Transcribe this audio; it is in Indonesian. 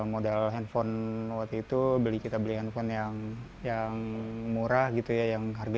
modal handphone waktu itu kita beli handphone yang yang murah gitu ya yang harga